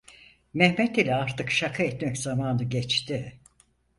Mehmet ile artık şaka etmek zamanı geçti.